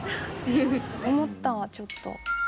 思ったちょっと。